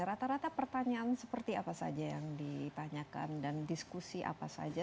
rata rata pertanyaan seperti apa saja yang ditanyakan dan diskusi apa saja